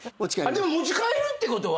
でも持ち帰るってことは。